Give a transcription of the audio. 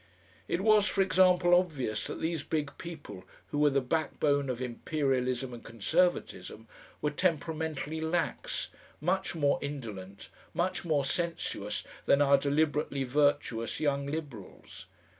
It was, for example, obvious that these big people, who were the backbone of Imperialism and Conservatism, were temperamentally lax, much more indolent, much more sensuous, than our deliberately virtuous Young Liberals.